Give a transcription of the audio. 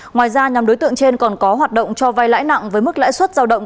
ngoài ra nhóm đối tượng trên còn có hoạt động cho vai lãi nặng với mức lãi suất giao động